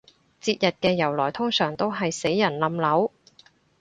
節日嘅由來通常都係死人冧樓